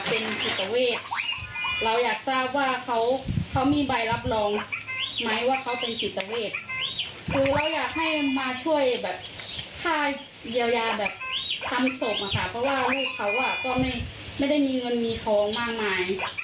เพราะว่าลูกเขาก็ไม่ได้มีเงินมีท้องมากมาย